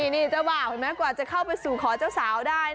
นี่เจ้าบ่าวเห็นไหมกว่าจะเข้าไปสู่ขอเจ้าสาวได้